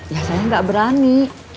ya saya enggak berani